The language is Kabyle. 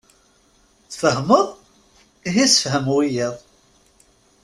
Tfehmeḍ! Ihi ssefhem wiyaḍ.